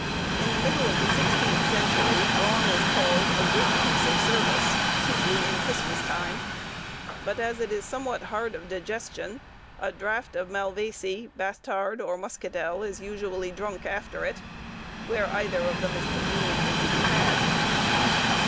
In the middle of the sixteenth century brawn is called a great piece of service, chiefly in Christmas time, but as it is somewhat hard of digestion, a draught of malvesie, bastard, or muscadell is usually drunk after it, where either of them is conveniently to be had.